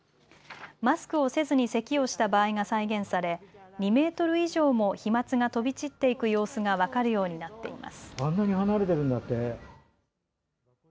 マスクをせずにせきをした場合が再現され２メートル以上も飛まつが飛び散っていく様子が分かるようになっています。